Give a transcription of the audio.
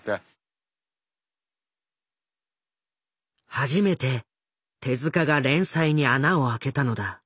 初めて手が連載に穴をあけたのだ。